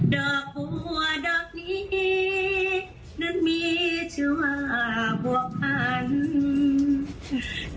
ดอกบัวดอกนี้นั้นมีชื่อว่าบวกพันธุ์